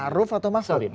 ma'ruf atau mahfud